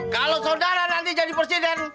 kalau saudara nanti jadi presiden